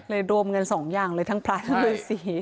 รวมเงินสองอย่างเลยทั้งพระทั้งฤษี